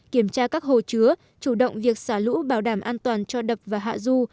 kiểm tra các hồ chứa chủ động việc xả lũ bảo đảm an toàn cho đập và hạ du